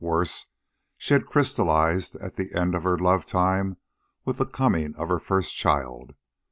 Worse, she had crystallized at the end of her love time with the coming of her first child.